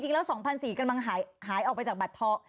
๒แล้ว๒๔๐๐กำลังหายออกไปจากบัตรทอง